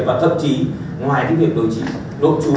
và thậm chí ngoài cái việc điều trị nốt chú